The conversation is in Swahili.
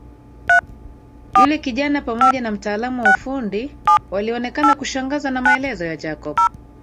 Yule kijana pamoja na mtaalamu wa ufundi walionekana kushangazwa na maelezo ya Jacob